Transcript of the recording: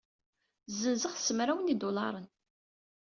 Ssenzeɣ-t s mraw n yidulaṛen.